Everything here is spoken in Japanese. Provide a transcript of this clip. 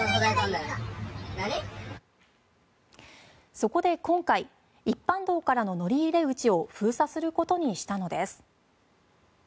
そこで今回一般道からの乗り入れ口を封鎖することにしたのです。